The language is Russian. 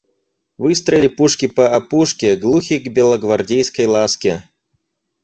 Выстроили пушки по опушке, глухи к белогвардейской ласке.